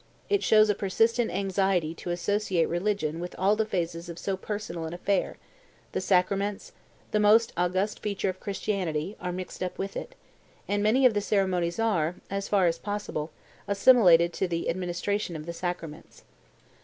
It shows a persistent anxiety to associate religion with all the phases of so personal an affair; the sacraments, the most august feature of Christianity, are mixed up with it; and many of the ceremonies are, as far as possible, assimilated to the administration of the sacraments.